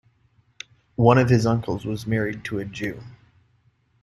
One of his uncles was married to a Jew.